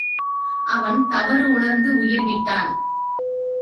அவன் தவறு உணர்ந்து உயிர்விட்டான்.